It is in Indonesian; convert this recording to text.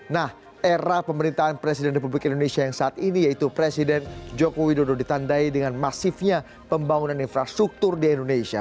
nah era pemerintahan presiden republik indonesia yang saat ini yaitu presiden joko widodo ditandai dengan masifnya pembangunan infrastruktur di indonesia